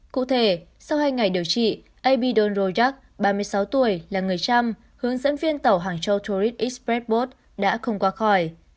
cụ thể sau hai ngày điều trị a b don rojak ba mươi sáu tuổi là người trăm hướng dẫn viên tàu hàng châu tourist express boat đã không qua khỏi